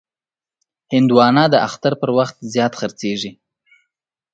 هندوانه د اختر پر وخت زیات خرڅېږي.